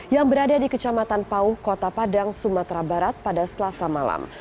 yang berada di kecamatan pauh kota padang sumatera barat pada selasa malam